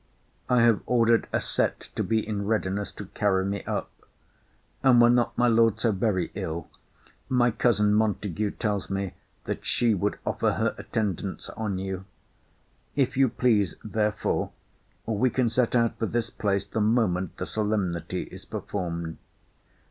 I have ordered a set to be in readiness to carry me up; and, were not my Lord so very ill, my cousin Montague tells me that she would offer her attendance on you. If you please, therefore, we can set out for this place the moment the solemnity is performed.